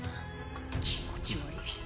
気持ち悪ぃ。